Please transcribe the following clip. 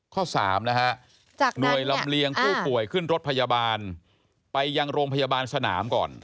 ข้อ๓นะฮะจากหน่วยลำเลียงผู้ป่วยขึ้นรถพยาบาลไปยังโรงพยาบาลสนามก่อน